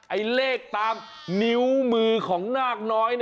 ไอ้เลขตามนิ้วมือของนาคน้อย